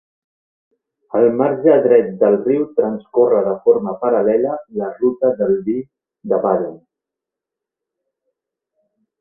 Al marge dret del riu transcorre de forma paral·lela la ruta del vi de Baden.